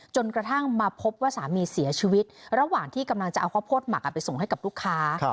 จนกระทั่งมาพบว่าสามีเสียชีวิตระหว่างที่กำลังจะเอาข้าวโพดหมักไปส่งให้กับลูกค้า